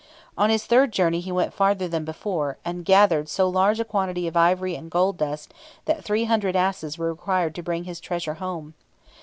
On his third journey he went farther than before, and gathered so large a quantity of ivory and gold dust that three hundred asses were required to bring his treasure home.